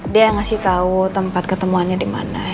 dia yang ngasih tahu tempat ketemuannya dimana